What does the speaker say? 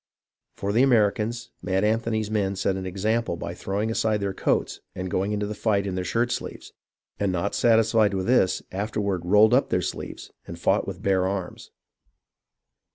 For the Americans, Mad Anthony's men set an example by throwing aside their coats and going into the fight in their shirt sleeves, and not satisfied with this, afterward rolled up their sleeves and fought with bare arms.